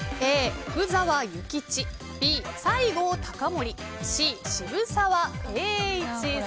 Ａ、福沢諭吉Ｂ、西郷隆盛Ｃ、渋沢栄一。